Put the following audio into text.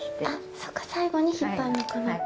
そうか、最後に引っ張るのかな。